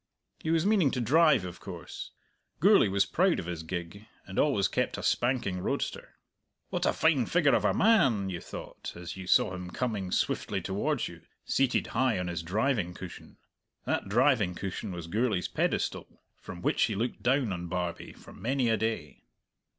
He was meaning to drive, of course; Gourlay was proud of his gig, and always kept a spanking roadster. "What a fine figure of a man!" you thought, as you saw him coming swiftly towards you, seated high on his driving cushion. That driving cushion was Gourlay's pedestal from which he looked down on Barbie for many a day.